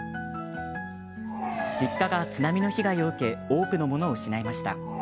実家が津波の被害を受け多くのものを失いました。